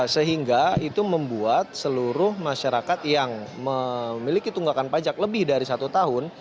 sehingga itu membuat seluruh masyarakat yang memiliki tunggakan pajak lebih dari satu tahun